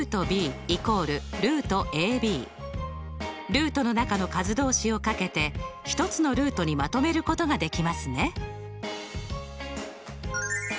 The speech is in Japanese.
ルートの中の数同士をかけて１つのルートにまとめることができますね。